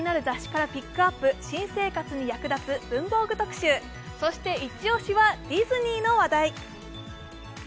雑誌からピックアップ、新生活に役立つ文房具特集、そして、イチオシはディズニーの話題。